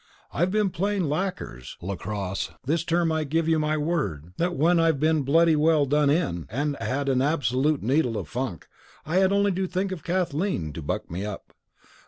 I've been playing lackers (lacrosse) this term and I give you my word that when I've been bloody well done in and had an absolute needle of funk I had only to think of Kathleen to buck me up.